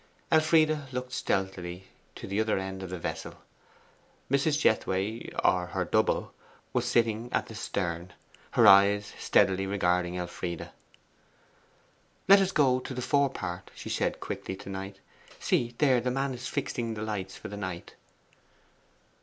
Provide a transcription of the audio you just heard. Elfride looked stealthily to the other end of the vessel. Mrs. Jethway, or her double, was sitting at the stern her eye steadily regarding Elfride. 'Let us go to the forepart,' she said quickly to Knight. 'See there the man is fixing the lights for the night.